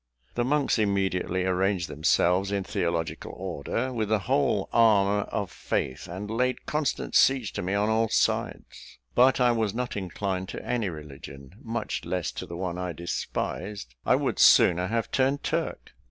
The monks immediately arranged themselves in theological order, with the whole armour of faith, and laid constant siege to me on all sides; but I was not inclined to any religion, much less to the one I despised. I would sooner have turned Turk.